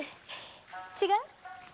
違う？